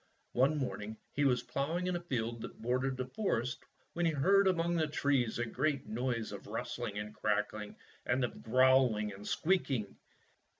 One morning he was ploughing in a field that bordered the forest when he heard among the trees a great noise of rustling and crackling and of growl ing and squeaking.